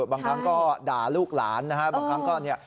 บางครั้งก็ด่าลูกหลานนะฮะ